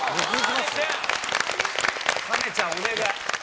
亀ちゃんお願い。